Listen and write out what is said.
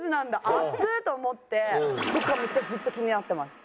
熱っ！と思ってそこからめっちゃずっと気になってます。